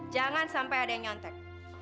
jangan sampai ada yang nyontek